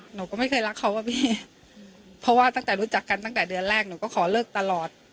หนูก็ไม่เคยรักเขาอะพี่เพราะว่าตั้งแต่รู้จักกันตั้งแต่เดือนแรกหนูก็ขอเลิกตลอด